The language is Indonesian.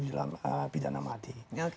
dalam pidana mati